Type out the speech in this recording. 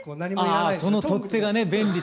あその取っ手がね便利。